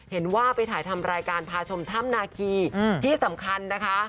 เห็นว่าไปถ่ายทำรายการพาชมถ้ำนาคีที่สำคัญนะคะ